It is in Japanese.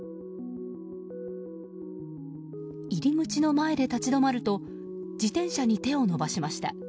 入り口の前で立ち止まると自転車に手を伸ばしました。